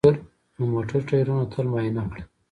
د موټر ټایرونه تل معاینه کړه.